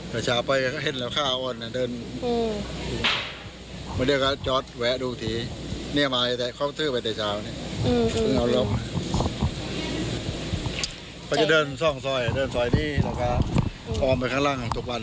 แต่นี่นะคะอะม่นไปข้างหลังส่งซ่อย